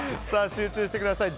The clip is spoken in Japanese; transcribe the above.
集中してください。